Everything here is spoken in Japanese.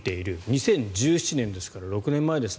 ２０１７年ですから６年前です。